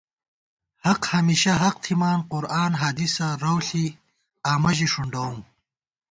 حق ہمیشہ حق تھِمان قرآن حدیثہ رَؤݪی آمہ ژی ݭُنڈَؤم